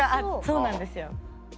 そうなんですよ。